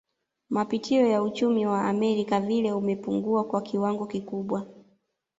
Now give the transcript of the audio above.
Mapitio ya uchumi wa Amerika vile umepungua kwa kiwango kikubwa